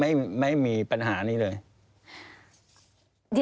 แล้วเขาสร้างเองว่าห้ามเข้าใกล้ลูก